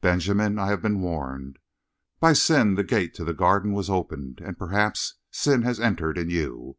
"Benjamin, I have been warned. By sin the gate to the Garden was opened, and perhaps sin has entered in you.